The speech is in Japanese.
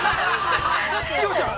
千穂ちゃん？